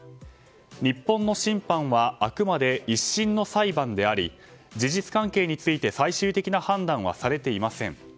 日本の審判はあくまで１審の裁判であり事実関係について最終的な判断はされていません。